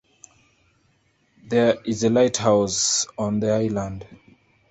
There is a lighthouse on the island.